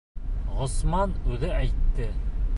Ғосман үҙе әйтте.